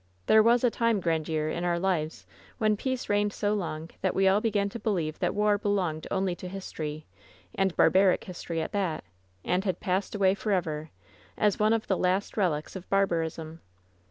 There was a time, Grandiere, in our lives, when peace reigned so long that we all began to be lieve that war belonged only to history, and barbaric his tory at that, and had passed away forever, as one of the last relics of barbarism.